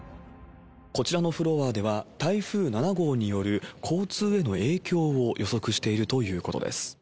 こちらのフロアでは、台風７号による交通への影響を予測しているということです。